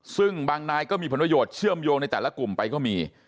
ซึ่งบางนายก็มีผลประโยชน์เชื่อมโยงในแต่ละกลุ่มไปก็มี